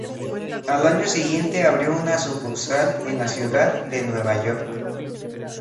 Al año siguiente abrió una sucursal en la ciudad de Nueva York.